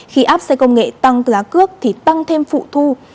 khi áp xe công nghệ tăng giá cước thì tăng thêm phụ thu